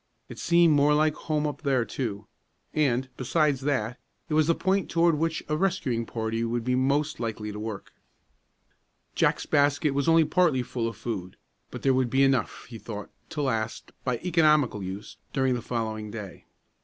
It seemed more like home up there too; and, besides that, it was the point toward which a rescuing party would be most likely to work. Jack's basket was only partly full of food, but there would be enough, he thought, to last, by economical use, during the following day.